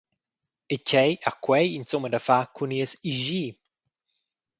E tgei ha quei insumma da far cun nies ischi?